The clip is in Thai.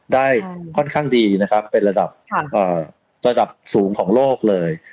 ได้ค่อนข้างดีเป็นระดับสูงของโลกเลย